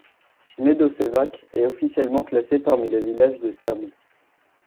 Medoševac est officiellement classé parmi les villages de Serbie.